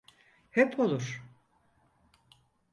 Hep olur.